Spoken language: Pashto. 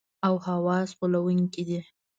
او حواس غولونکي دي.